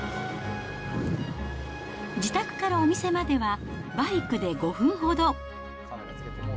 自宅からお店まではバイクで５分ほど。